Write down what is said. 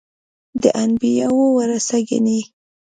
د انبیاوو ورثه ګڼي.